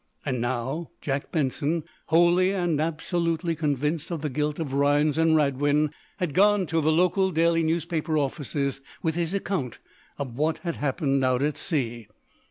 And now, Jack Benson, wholly and absolutely convinced of the guilt of Rhinds and Radwin, had gone to the local daily newspaper offices with his account of what had happened out at sea.